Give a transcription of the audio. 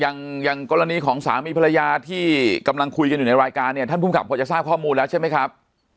ครับยังกรณีของสามีภรรยาค้ากำลังคุยในวายการเนี้ยป้อมภูมิขับจะทราบข้อมูลใช่ไหมครับ